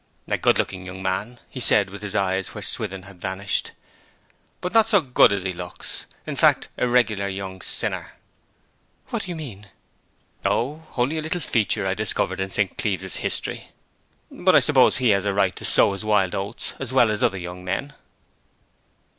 'A good looking young man,' he said, with his eyes where Swithin had vanished. 'But not so good as he looks. In fact a regular young sinner.' 'What do you mean?' 'Oh, only a little feature I discovered in St. Cleeve's history. But I suppose he has a right to sow his wild oats as well as other young men.'